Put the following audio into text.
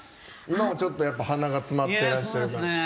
今もちょっと鼻が詰まってらっしゃる？